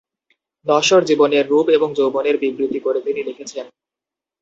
নশ্বর জীবনের রুপ এবং যৌবনের বিবৃতি করে তিনি লিখেছেন।